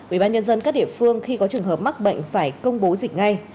ubnd các địa phương khi có trường hợp mắc bệnh phải công bố dịch ngay